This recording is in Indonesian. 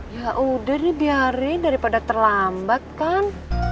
ya udah ini biarin daripada terlambat kan